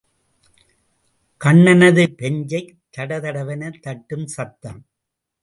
கண்ணனது பெஞ்சைத் தடதடவென தட்டும் சத்தம்.